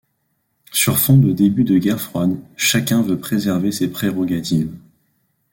Sur fond de début de guerre froide, chacun veut préserver ses prérogatives.